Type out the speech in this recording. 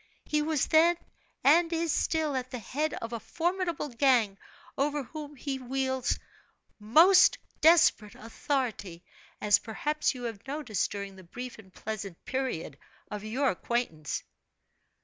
He was then, and is still, at the head of a formidable gang, over whom he wields most desperate authority as perhaps you have noticed during the brief and pleasant period of your acquaintance."